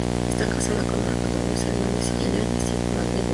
Está casada con Marco Antonio Hernández Illanes, y es madre de dos hijas.